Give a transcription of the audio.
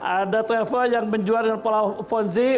ada travel yang menjual dari pulau fonzi